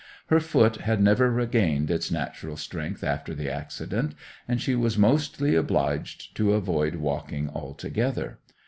Her foot had never regained its natural strength after the accident, and she was mostly obliged to avoid walking altogether.